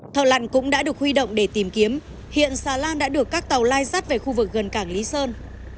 thợ lặn cũng đã được huy động để tìm kiếm hiện xà lan đã được các tàu lai rắt về khu vực gần cảng lý sơn